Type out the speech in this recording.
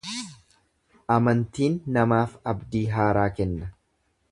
Amantiin namaaf abdii haaraa kenna.